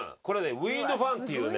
ウインドファンっていうね。